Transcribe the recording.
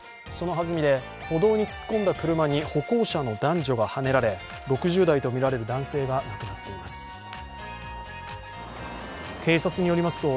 そのはずみで歩道に突っ込んだ車に男女がはねられ６０代とみられる男性が亡くなっています。